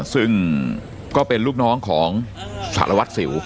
ซึ่งก็เป็นลูกน้องของศาลวัฒน์เสว